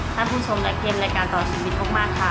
ท่านผู้ชมรายการเกมต่อชีวิตทุกมากค่ะ